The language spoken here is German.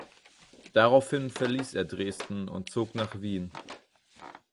Daraufhin verließ er Dresden und zog nach Wien.